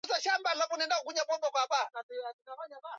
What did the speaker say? wa hewa yao katika miongo ya hivi karibuni Lakini uchafuzi wa hewa